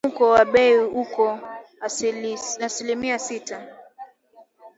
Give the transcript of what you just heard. Mfumuko wa bei uko asilimia sita